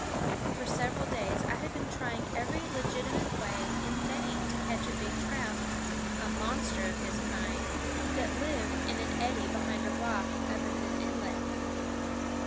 For several days I had been trying every legitimate way in vain to catch a big trout, a monster of his kind, that lived in an eddy behind a rock up at the inlet.